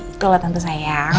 itu lah tante sayang